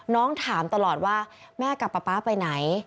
น้องถามตลอดว่าแม่กับป๊าป๊าไปไหน